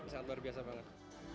sangat luar biasa banget